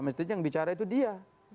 mestinya yang bicara itu dia